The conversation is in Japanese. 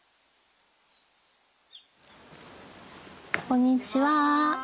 こんにちは。